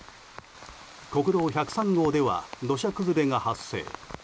国道１０３号では土砂崩れが発生。